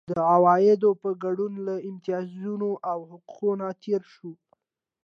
د عوایدو په ګډون له امتیازونو او حقونو تېر شو.